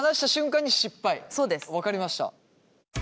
分かりました。